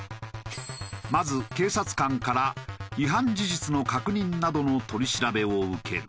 まず警察官から違反事実の確認などの取り調べを受ける。